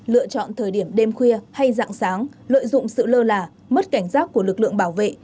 lựa chọn thời điểm đêm khuya hay dạng sáng lợi dụng sự lơ là mất cảnh giác của lực lượng bảo vệ